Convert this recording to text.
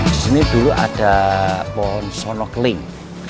di sini dulu ada pohon sono keling